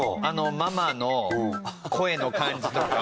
ママの声の感じとか。